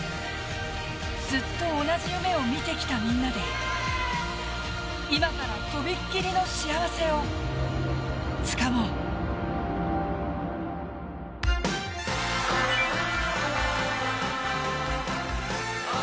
ずっと同じ夢を見てきたみんなで今からとびっきりの幸せをつかもう。